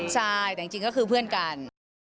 ใช่แต่จริงก็คือเพื่อนกัน